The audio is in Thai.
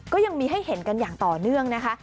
ก็ยังมีให้เห็นกันอย่างต่อเนื่องนะคะ